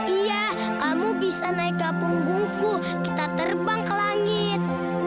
iya kamu bisa naik gapung bungku kita terbang ke langit